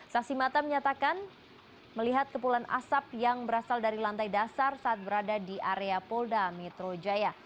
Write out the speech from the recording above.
saksi mata menyatakan melihat kepulan asap yang berasal dari lantai dasar saat berada di area polda metro jaya